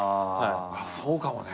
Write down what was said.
そうかもね。